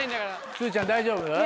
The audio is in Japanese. すずちゃん大丈夫？